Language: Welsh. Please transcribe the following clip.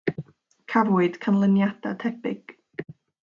Cafwyd canlyniadau tebyg.